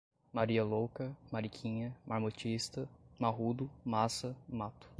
maria louca, mariquinha, marmotista, marrudo, massa, mato